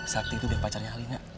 sakti itu udah pacarnya ahlinya